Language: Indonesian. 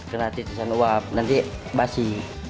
kena titusan uap nanti basi